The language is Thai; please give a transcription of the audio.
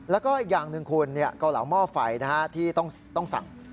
แล้วก็อีกอย่างหนึ่งคุณเกาเหลาหม้อไฟที่ต้องสั่ง